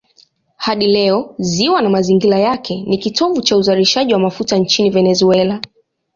Hadi leo ziwa na mazingira yake ni kitovu cha uzalishaji wa mafuta nchini Venezuela.